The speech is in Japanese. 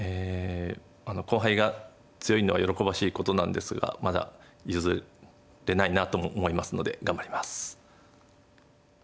後輩が強いのは喜ばしいことなんですがまだ譲れないなとも思いますので頑張ります。